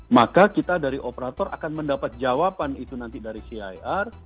maka kita dari operator akan mendapat jawaban itu nanti dari c i r